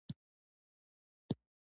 د بنسټپالو ډلو د ختمولو اراده شوې وه.